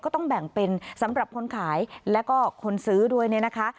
ต้องแบ่งเป็นสำหรับคนขายแล้วก็คนซื้อด้วยเนี่ยนะคะ